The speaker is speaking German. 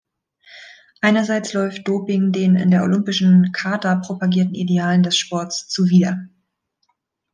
Einerseits läuft Doping den in der Olympischen Charta propagierten Idealen des Sports zuwider.